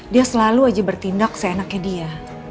dia selalu aja bertindak seenaknya dia